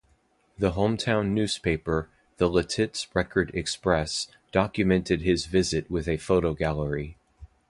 The hometown newspaper, the Lititz Record Express, documented his visit with a photo gallery.